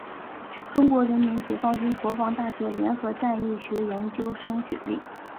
中国人民解放军国防大学联合战役学研究生学历。